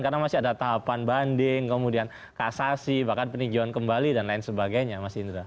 karena masih ada tahapan banding kemudian kasasi bahkan peninjauan kembali dan lain sebagainya mas indra